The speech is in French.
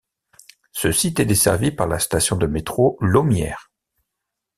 Ce site est desservi par la station de métro Laumière.